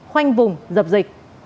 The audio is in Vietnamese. khoanh vùng dập dịch